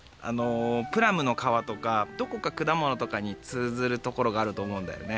プラムのかわとかどこかくだものとかにつうずるところがあるとおもうんだよね。